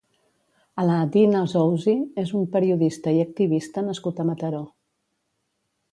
Alaaddine Azzouzi és un periodista i activista nascut a Mataró.